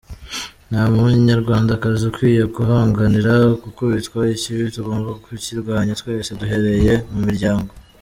Nta munyarwandakazi ukwiye kwihanganira gukubitwa. Ikibi tugomba kukirwanya twese duhereye mu miryango.”